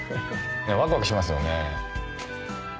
ワクワクしますよね。